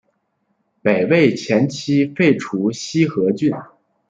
北魏前期废除西河郡。